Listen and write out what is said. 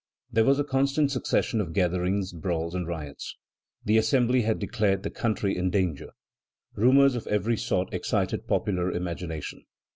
There was a constant succession of gatherings, brawls, and riots. The Assembly had declared the country in danger. Rumors of every sort excited popular imagination.